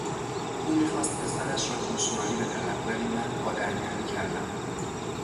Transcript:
او میخواست پسرش را گوشمالی بدهد ولی من پا در میانی کردم.